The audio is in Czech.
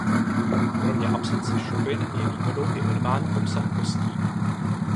Kromě absence šupin je výhodou i minimální obsah kostí.